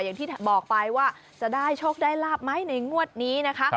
อย่างที่บอกไปว่าจะได้โชคได้ลาบไหมในงวดนี้นะคะ